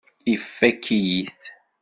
Ifakk-iyi-t.